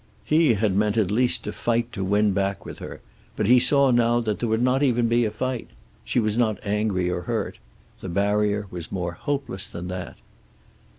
He had meant at least to fight to win back with her, but he saw now that there would not even be a fight. She was not angry or hurt. The barrier was more hopeless than that.